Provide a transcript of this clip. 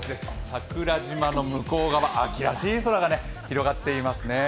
桜島の向こう側、秋らしい空が広がっていますね。